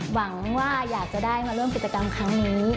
หวังว่าหยัดจะได้มาเลื่อนกิจกรรมครั้งนี้